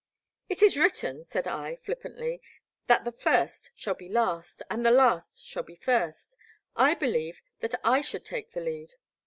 It is written, said I, flippantly, that the first shall be last, and the last shall be first; — ^I believe that I should take the lead."